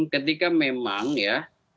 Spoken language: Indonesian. ketika memang ya